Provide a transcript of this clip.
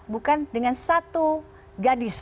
bukan dengan satu gadis